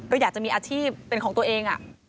ก็อยากจะมีอาชีพเป็นของตัวเอง